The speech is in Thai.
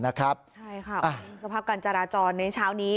ใช่ค่ะสภาพการจราจรในเช้านี้